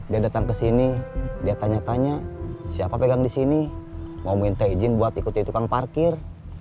dia datang ke sini dia tanya tanya siapa pegang di sini mau minta izin buat ikut ikutan parkir